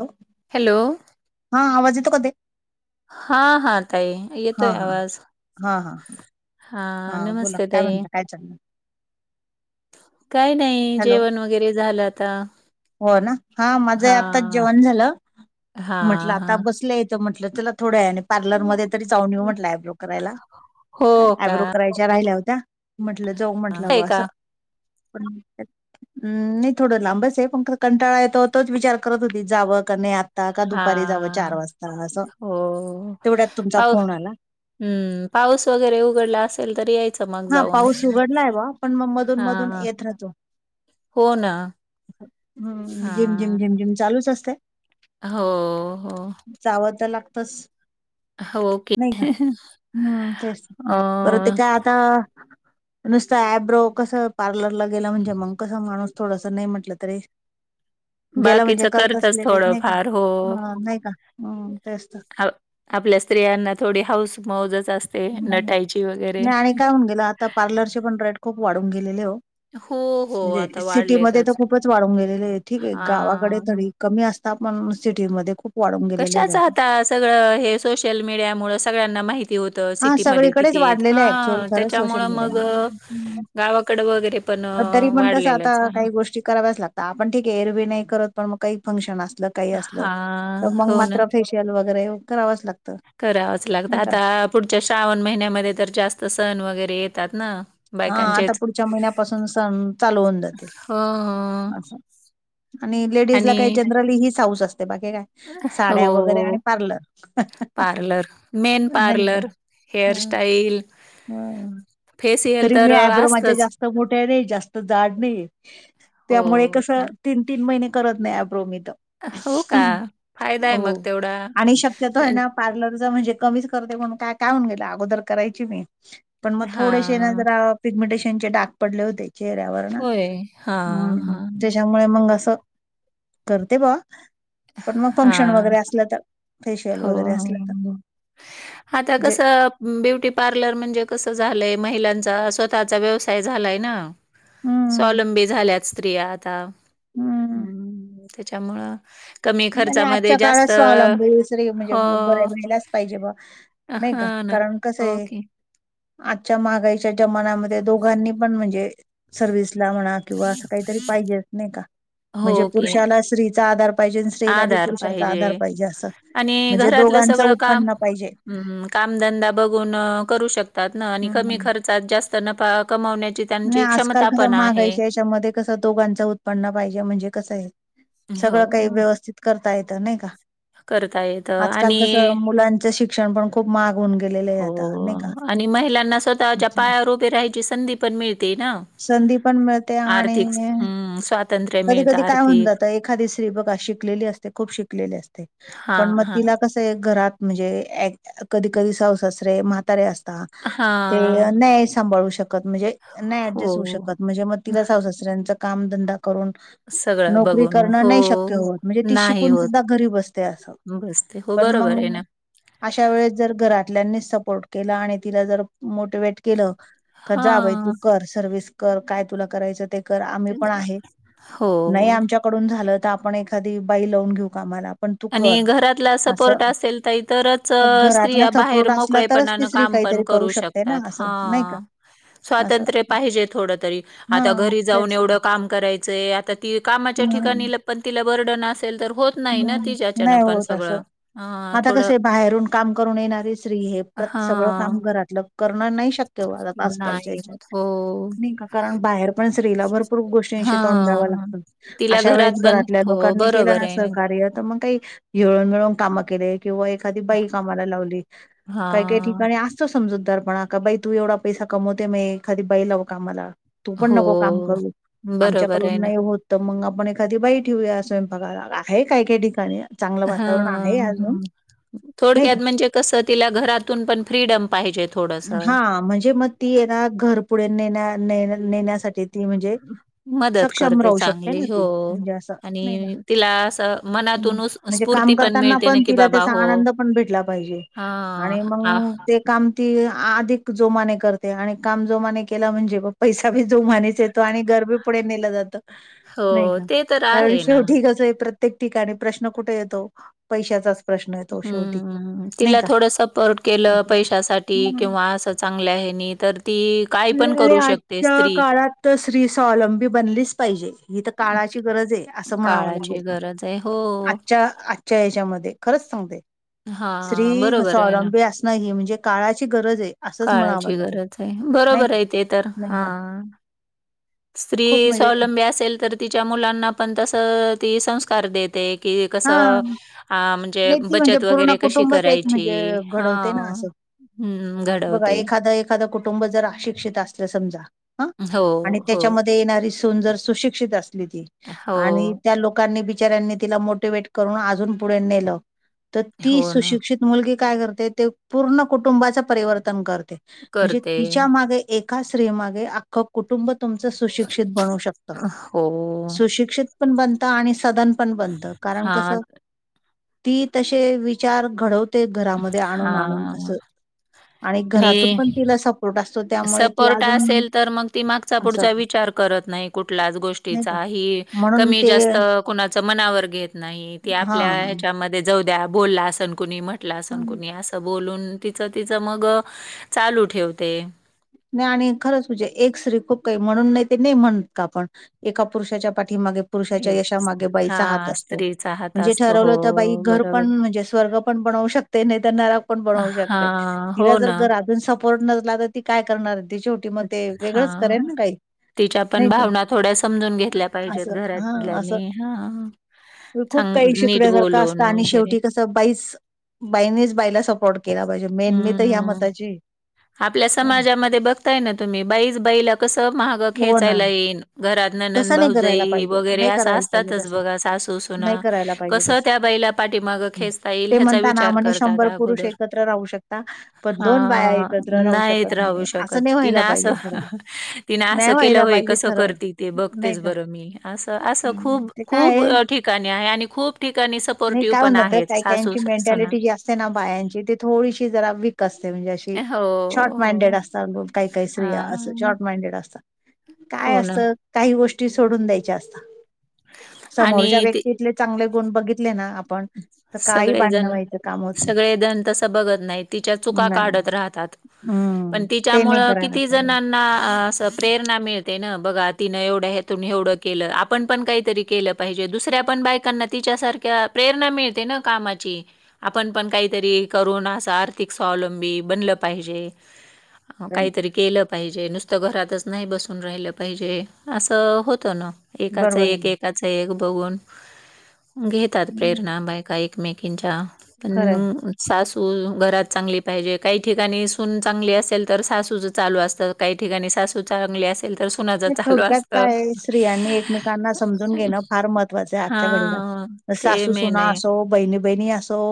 हॅ हॅलो हा आवाज येत कध हा हा ताई हा येतोय हा आवाज हा हा हा नमस्ते ताई. च काही नाही हॅलो जेवण वगैरे झालं आता. हो ना हा माझं आत्ताच हां, जेवण झालं म्हटलं हां, आता हां. बसलय तर म्हटलं तुला थोड्या वेळानं पार्लरमध्येध्ये तरी जाऊन ये म्हटलं आयब्रो करायला काय हो का? आयब्रो करायच्या राहिल्या होत्या म्हंटलं जाऊ म्हंटलं ग आहे का? असं पण हम् नाही थोडं लांबच आहे पण खरं कंटाळा येतो तोच विचार करत होती जावं क नाही आता का दुपारी जावं चार हां. वाजता असं हो. तेवढ्यात तुमचा फोन आला हम्म पाऊस वगैरे उघडला असेल तरी याय हा पाऊस उघडला आहे बा पण मग मधून मधून हां. येत राहतो हो ना हम्म जिम झिम हां. झिम झिम चालूच असतय हो हो जाव तर लागतच हो की. नाही का हम्म तेच अ बरं ते काय नुसत आयब्रो कस पार्लरला गेला म्हणजे मंग कस माणूस थोडंस नाही म्हटलं तरी गेला म्हणजे बाकीचं करत करतच असले तस नाही थोडंफार हो. का नाही काम तेचत आ आपल्या स्त्रियांना थोडी हौस मौजच असते नटायची वगैरे. नाही आणि काय होऊन गेलं आता पार्लरचे पण रेट खूप वाढून गेलेले हो हो, हो. म्हणजे आता सिटीमध्येध्ये वाढलेतच. तर खूपच वाढून गेलेले आहे ठीक आहे गावाकडे हां. तरीही कमी असता पण सिटीमध्ये खूप वाढून गेलेले कशाचा रेट आता सगळं हे सोशल मीडिया मुळं सगळ्यांना माहिती होत हा सिटी मध्ये सगळीकडेच किती आहेत वाढलेलं आहे ऍक्च्युअल हा खरंच सोशल त्याच्यामुळे मीडिया मग गावाकडे वगैरे पण अ, तरी पण कसं आता वाढलेलंच आहे. काही गोष्टी कराव्याच लागत आपण ठीक एरवी नाही करत पण मग काही फंक्शन असलं काही असलं हां, तर मग हो ना. मात्रश ल वगैरे करावंच लागतं करावंच लागतं नाही का आता पुढच्या श्रावण महिन्यामध्ये तर जास्त सण वगैरे येतात ना हा आता बायकांचेच. पुढच्या महिन्यापासून सण चालू होऊन जातील हो, हो. अस आणि लेडीज ला आणि काही जनरली ही हौस असते बाकीे काय हो साड्या वगैरे आणि पार्लर पार्लर मेन नाही का पार्लर हा हेअरस्टाईल हा फेशियल तरी तर मी आयब्रो माझ्या असतच जास्त मोठ्या नाही जास्त जाड नाही हो त्यामुळे कसं का तीन तीन महिने करत नाही आयब्रो मी हो तर का फायदा आहे हो मग तेवढा आणि शक्यतो आहे ना पार्लरचा म्हणजे कमीच करतोय मी पण मग थ हा पिगमेटेशन चे डाक पडले होते चेहऱ्यावर ना होय हा हा त्याच्यामुळे मग असं करते बा पण मग हा फंक्शन वगैरे असलं तर फेशियल हो वगैरे असलं तर आता म्हणजे कसं ब्युटी पार्लर म्हणजे कसं झालंय महिलांचा स्वतःचा व्यवसाय झालाय ना हम्म स्वावलंबी झाल्यात स्त्रिया आता- हम्म. हम् त्याच्यामुळं- कमी आणि खर्चामध्ये आजच्या काळात जास्त स्वावलंबीच- हो म्हणजे बरे मिलाच पाहिजे ब नाही का ह ना कारण कस आहे ओके आजच्या महागाईच्या जमान्यामध्ये दोघांनी पण म्हणजे- सर्विसला म्हणा किंवा असं काहीतरी पाहिजेच नाही का हो म्हणजे ओके पुरुषाला स्त्रीचा आधार- पाहिजे स्त्रीला पुरुषाचा आधार पाहिजे असं आणि म्हणजे, घरातलं दोघांच सगळं काम उत्पन्न पाहिजे- हं, कामधंदा बघून अं करू शकतात ना आणि कमी हम्म खर्चात जास्त नफा कमावण्याची- नाही आजकाल कसं महागायच्या याच्यामध्ये कसं दोघांच उत्पन्न पाहिजे म्हणजे कसं आहे- हो सगळं काही व्यवस्थित करता येत नाही का करता येतं आजकल आणि कस मुलांच शिक्षण पण खूप माहाग होऊन गेलं- हो आणि महिलांना स्वतःच्या पायावर उभे राहायची संधी पण मिळते ना. संधी पण मिळते आर्थिक आणि हम्म स्वातंत्र्य- कधी मिळतं कधी काय होऊन आर्थिक. जात एखादी स्त्री बघा शिकलेली असते खूप शिकलेली असते पण हां, मग हां. तिला कस- घरात म्हणजे एक कधी कधी सासु सासरे म्हातारे असता- ते हां. नाही सांभाळू शकत म्हणजे नाही ॲटजेस्ट होऊ हो. शकत म्हणजे मग तिला- दुसर्‍यांच् कामधंदा करून- सगळं नोकरी बघून करणं हो, नाही शक्य होत म्हणजे ती शिकून सुद्धा घरी बसते असं- बस्ते हो पण बरोबर आहे मग ना- अशा वेळेस जर घरातल्यांनीच सपोर्ट केला आणि तिला जर मोटिवेट- केलं क जा बाई हां. तू कर सर्विस कर काय तुला करायचं ते कर आम्ही पण आहे- नाही हो. आमच्याकडून झालं तर आपण एखादी बाई लावून घेऊ कामाला- पण तू आणि कर घरातला असं सपोर्ट असेल तर इतरच मग घरातला स्त्रिया बाहेर सपोर्ट असला तरच ती मोकळेपणान स्त्री काम पण- काहीतरी करू शकते ना शकतात असं नाही का हा.... असं स्वातंत्र्य पाहिजे थोड तरी, आता हां घरी जाऊन तेच एवढं काम करायचं- आता त कामाच्या हं, हं. ठिकाणी पण तिला बर्डन असेल तर होत नाही ना- तिच्याच्यानं नाही पण होत अस सगळं. अ, आता थोडं कसे बाहेरून काम करून येणारी स्त्री हे प्रत्येक सगळं काम हां. कर- घरातला करण नाही शक्य होत आजकाल च्या नाही ह्याच्यात होत. हो. नाई का कारण बाहेर- पण स्त्रीला भरपूर गोष्टींशी तोंड द्यावं हां. लागतं तिला अशा वेळेस घरात पण घरातल्या हो लोकांनी केलं बरोबर ना आहे असं- मग काही हिळून मिळून काम केले किंवा एखादी बाई कामाला लावली- काही काही हां. ठिकाणी असत- आसतो समजूदारपणा का बाई तू एवढा पैसा कमवते मग एखादी बाई लाऊ कामाला- तू पण हो. नको काम करू बरोबर आहे आमच्याकडून ना. नाही होत- तर मग आपण एखादी बाई ठेऊया स्वयंपाकाला आहे काय काय ठिकाणी- चांगलं ह वातावरण आहे अजून नाही थोडक्यात का? म्हणजे कसं तिला घरातून पण फ्रीडम पाहिजेत. हा म्हणजे मग ती ये ना घर पुुढे नेण्या ने नेण्यासाठी ती म्हणजे- मदत सक्षम करते राहू शकते चांगली ना हो. ती म्हणजे असं नाही का आणि तिला असं हम्- मनातून उस म्हणजे स्फूर्ती काम करताना मिळते ना, पण की तिला बाबा त्याचा हो आनंद पण भेटला पाहिजे हां, आणि आ मग ते- काम ती अधिक जोमाने करते आणि काम जोमाने केला म्हणजे पैसा बी जोमाने- येतो आणि घरबी पुढे नेलं जात नाही हो का ते तर कारण आहे ना. शेवटी कस प्रत्येक- प्रत्येक ठिकाणी प्रश्न कुठे येतो? पैशाचाच प्रश्न- येतो शेवटी हम्म ह नाही तिला का थोड सपोर्ट केलं असं पैशा- साठी किंवा अस चांगल्या आहे नी तर ती- काय पण अरे करू शकते आजच्या स्त्री. काळात तर स्त्री स्वलंबी बनलीच पाहिजे ही तर- काळाची गरज आहे असं म्हणावं काळाची लागेल गरज आहे हो. आजच्या आज- आजच्या याच्या मध्ये खरंच सांगते- स्त्री हां, बरोबर आहे ना. स्वावलंबी असणं हे म्हणजे काळाची गरज आहे असंच म्हणावं काळाची लागेल- गरज नाही बरोबर का? आहे ते तर, नाही हा का स्त्री खूप म्हणजे स्वावलंबी असेल तर- तिच्या मुलांना पण तसं ती संस्कार देते.... कि कस हा अं म्हणजे नाही ती बचत- म्हणजे पूर्ण वगैरे कशी कुटुंब एक करायची म्हणजे घडवते ना हां. असं हं, बघा घडवते. एखा आता एखाद कुटुंब जर अशिक्षित असले समजा हा हो, आणि हो, त्याच्या मध्ये येनारी सु जर सुशिक्षित असती ती आणि हो, त्या लोकांनी बिच्यारयांणी तिला मोठ िवट करून अजून पुढे नेल तर ती हो ना, सुशिक्षित मुलगी काय करते ते पूर्ण कुटुंबाचं परिवर्तन करते म्हणजे करते. तिच्या मागे एका स्त्रीमागे अख्खं कुटुंब तुमचं सुशिक्षित बनू शकत हो. सुशिक्षित पण बनता आणि सदन पण ब कारण कस हां, ती तसे विचार घडव घरामध्ये आणून आणून अस हां आणि घरातून पण तिला सपोर् असतो त्यामुळे ती सपोर्ट अजून असेल तर मग ती मागचा असं पुढचा विचार करत नाही कुठलाच नाही गोष्टीचा का ही म्हणून कमी ते जास्त कुणाच मनावर घेत नाही ती आपल्या हां. ह्याच्यामध्ये जाऊ द्या बोलला असन कुणी म्हट अस हां. कुणी अस बोलून तिच तिचं मग चालू ठेवते नाही आणि खरंच म्हणजे एक स््री खूप काही म्हणून नाही ते नाही म्हणत का आपण एका पुरुषाच्या पाठीमागे पुरुषाच्या हेच यशामागे बाईचा हात हां, असतो स्त्रीचा हात म्हणजे असतो. हो, ठरवलं तर बाई घर पण बरोबर. म्हणजे स्वर्ग पण बनवू शकते ते नाही तर नराक पण बनवू शकत हां, तिला हो जर ना. घरातून सपोर्ट नसला तर ती काय करणार तेट मग ते वेगळंच करेन हां, ना काही तिच्या पण नाही का? भावना थोड्या समजून घेतल्या पाहिजेत असं हां असं घरातल्याने हा खूप काही शिकण्यासारखं असत आणि वगैरे. शेवटी कस बाईच बाईनेच बाईला सपोर्ट केला पाहिजे मेन मी तर ह्या हं. मताची आपल्या हं. समाजामध्ये बघताय ना तुम्ही बाईच बाईला कसं महाग हो ना खेचायला येईन घरात ननंद तसं नाही करायला भाऊजाई पाहिजे वगैरे नाही असं करायला पाहिजे असतातच तसं बघा नाही सासूसुना करायला पाहिजे कसं तसं त्या बाईला पाठीमाग हं. खेचता येईल ते ह्याचा म्हणता ना विचार म्हणे करतात शंभर पुरुष अगोदर एकत्र राहू शकता पण ह दोन बाया एकत्र राहू नाहीत शकत राहू नाही शकत असं नाही तिन व्हायला पाहिजे असं खरं तिन नाही असं केलं व्हायला होय पाहिजे कसं खरं करतील ते नाही बघतेच का बरं मी असं असं हं. खूप ते काय खूप आहे ठिकाणी आहे आणि खूप ठिकाणी नाही सपोर्टिव्ह काय होऊन पण जातं आहेत काही सासू काहींची सुना मेंटॅलिटी जी असते बायांची ते थोडीशी जरा वीक असते म्हणजे कि हो, शॉर्ट माइंडेड हो. असतात काही काही स्त्रिया असं हां, शॉर्ट माइंडेड असतात काय हो ना असं काही गोष्टी सोडून द्यायच्या असतात समोरच्या आणि व्यक्तीतले चांगले गुण बघितले ना आपण तर काही सगळे भांडणं जण व्हायचं काम होत नाही. सगळे जण तस बघत नाहीत तिच्या चुका नाही काढत राहतात पण हम्म ते नाही तिच्यामुळं करायला किती पाहिजे जण प्रेरणा मिळते ना बघा तिन एवढून एवढं केलं आपण पण काहीतरी केलं पाहिजे दुसऱ्या पण बायकांना तिच्यासारख्या प्रेरणा मिळते ना कामाची आपण पण काहीतरी करूनं आर्थिक स्वावलंबी बनलं पाहिजे काही तरी केलं पाहिजे नुसतं घरातच नाही बसून राहिलं पाहिजे असं होतं ना एकाच बरोबर एक आहे एकाचा एक बघून घेतात प्रेरणा बाईका एकमेकींच्या खरंय. पण सासू घरात चांगली पाहिजे काही ठिकाणी सून चांगली असेल तर सासूच चालू असतं काही ठिकाणी सासू चांगली अस थोडक्यात काय स्त्रियांनी एकमेकांना समजून घेणं फार मह महत्वाच आजच्या हा घडीला ते मेन सासूसुना आहे असो बहिणी बहिणी असो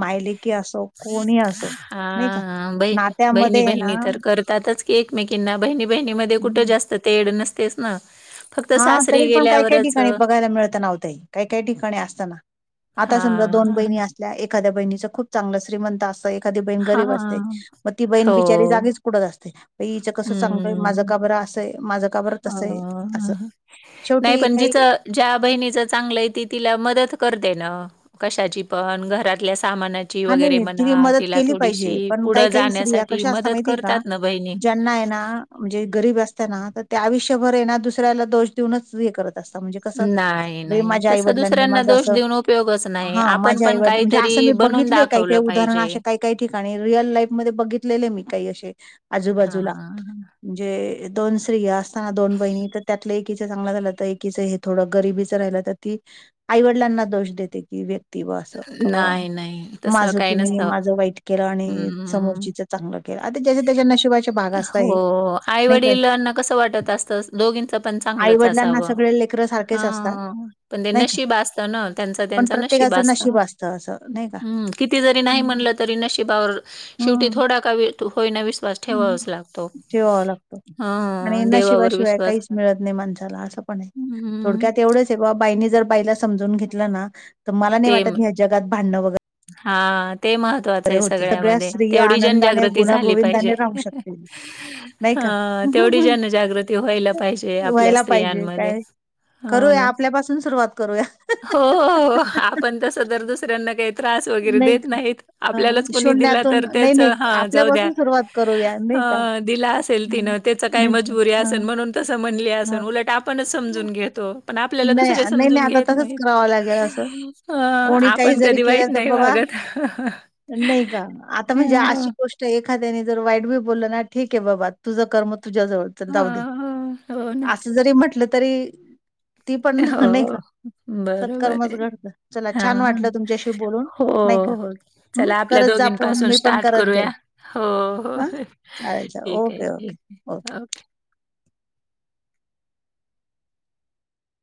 मायलेकी असो कोणी असो नाही का हा ब-बहिणी नात्यामध्ये आहे ना बहिणी तर करते त्यातच की एकमेकींना बहिणी बहिणीमध्ये कुठं जास्त तेड नसतेच ना फक्त हा सासरी तरी पण काय काही गेल्यावरच ठिकाणी बघायला मिळत ना ओ ताई काय काही ठिकाणी असत ना आता समजा हा दोन बहिणी असत एखाद्या बहिणीच खूप चांगलं श्रीमंत असत एखादी बहीण हा गरीब असते मग ती बहीण हो बिचारी जागीच कुडच असते प हिचं कसं चांगलय माझं हम्म का बर अस आहे माझं का बर तस आहे असं नाही शेवटी पण काही जिच... ज्या बहिणीच चांगल आहे ती तिला मदत करते ना. कशाची पण घरातल्या सामानाची. हा नाही वगैरे नाही ति म्हणा, मदत तिला केली पाहिजे थोडीशी पण पुढं काही काही स्त्रिया जाण्यासाठी कशा असत मदत माहितीय का करतात ना बहिणी. ज्यांना आहे ना... म्हणजे गरीब असतना तर त्या आयुष्यभर येना दुसऱ्याला दोष देऊनच हे करत असतात म्हणजे... कस नाही, बई नाही. माझ्या तसं आईवडलांनी दुसऱ्यांना माझ अस दोष देऊन उपयोगच नाही. हा आपण माझ्या पण आईवड म्हणजे अस काहीतरी मी बनून बघितल. काही काही दाखवलं उदाहरण पाहिजे. असे काय काही ठिकाणी रिअल लाईफ मध्ये बघितलेले मी काही असे. आजूबाजूला. हां. म्हणजे दोन स्त्री या असताना दोन बहिणी तर त्यातल एकीच चांगल झाल तर एकीच हे... थोड गरिबीच राहिल तर ती आईवडिलांना दोष देते की व्यक्ती ब अस... नाही, नाही. तसं माझ काही तुम्ही नसतं. माझ वाईट केल आणि हं. समोरचीच चांगल केल आता ज्याचा त्याच्या नशिबाची.. हो आईवडिलांना कस वाटत असत दोघींच पण आई चांगलंच वडिलांना असाव. सगळे लेकरं सारखेच असतात हा पण ते नाही का नशीब असत ना त्यांचा पण त्यांचा नशीब प्रत्येकाचं असत असतं असं नाही का हम्. किती जरी नाही हम्म म्हणल तरी नशिबावर शेवटी थोडा का होईना वि्वास. ठेवाच लागतो. ठेवावा लागतो आणि हं, देवावर नशिवाशिवाय विश्वास काहीच मिळत नाही माणसाला अस पण आहे हं, थोडक्यात एवढच... बाईनी जर बाईला समजून घेत ना तर मला नाही वाटत जगात भांडण वगरे.. हा ते मह... महत्वाच हे सगळ्या सगळ्यामध्ये स्त्रिया तेवढी आनंदाने जनजागृती झाली पाहिजे. गुणागोविंदाने राहू शकतील नाही का हं तेवढी जनजागृती व्हायला पाहिजे आपल्या व्हायला पाहिजे स्त्रियांमध्ये. काय करूया ना. आपल्यापासून सुरुवात करूया. हो हो हो आपण तस दर दुसऱ्यांना काही.. त्रास वगैरे नाही देत का? नाहीत अ, आपल्यालाच कणी दिला शून्यातून तर नाही, तेच नाही हा जाऊ द्या. आपल्यापासून सुरुवात करूया नाही का? अ दिला असेल तिन हं, त्याच काही नाही का? मजबुरी हां, असेल म्हणून.. तस म्हणले असन हां. उलट आपणच समजून घेतो. पण आपल्याला नाही, दुसरे नाही, नाही समजून आता घेत तसंच नाहीत. करावं लागेल असं. अ कोणी काही आपण जरी कधी वाईट केलं तर नाही बाबा वागत हहह. नाही का. आता म्हणजे अशी गोष्ट एखाद्याने जर वाईट बी बोलल ना ठीक आहे बाबा तुझ कर्म तुझ्याजवळ. हो, जाऊ दे, हो. हो ना. अस जरी म्हटल तरी. ती पण नाही का? हो बरोबर सत्कर्मच हे घडतं चला हा छान वाटलं तुमच्याशी बोलून नाही का हो. हम्म चला आपल्या करत जा दोघीं फोन पासून मी पण स्टार्ट करत करूया. जाईल हो हा चालेल चालेल ठीक आहे ओके ओके ठीक ओके आहे.